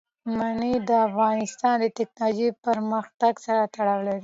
منی د افغانستان د تکنالوژۍ پرمختګ سره تړاو لري.